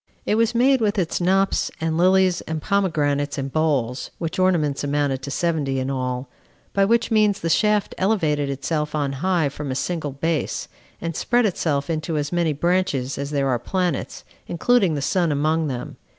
It was made with its knops, and lilies, and pomegranates, and bowls [which ornaments amounted to seventy in all]; by which means the shaft elevated itself on high from a single base, and spread itself into as many branches as there are planets, including the sun among them.